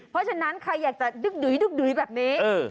เพราะฉะนั้นใครอยากจะดึกดุยแบบนี้